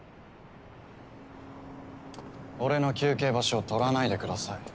・俺の休憩場所を取らないでください。